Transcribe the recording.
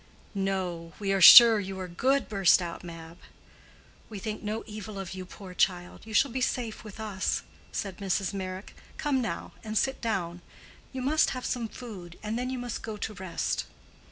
"No, we are sure you are good," burst out Mab. "We think no evil of you, poor child. You shall be safe with us," said Mrs. Meyrick. "Come now and sit down. You must have some food, and then you must go to rest."